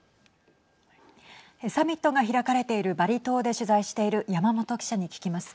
サミットが開かれているバリ島で取材している山本記者に聞きます。